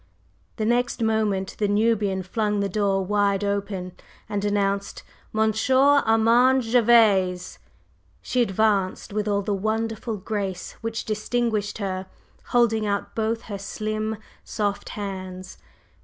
The next moment the Nubian flung the door wide open and announced "Monsieur Armand Gervase!" She advanced with all the wonderful grace which distinguished her, holding out both her slim, soft hands.